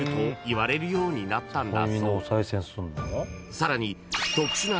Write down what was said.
［さらに］